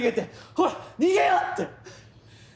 ほら逃げよう！って。